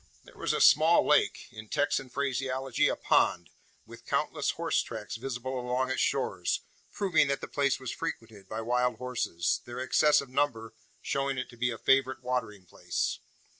There was a small lake in Texan phraseology a "pond" with countless horse tracks visible along its shores, proving that the place was frequented by wild horses their excessive number showing it to be a favourite watering place.